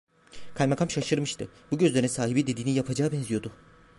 Kaymakam şaşırmıştı, bu gözlerin sahibi dediğini yapacağa benziyordu…